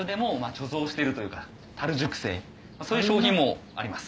そういう商品もあります。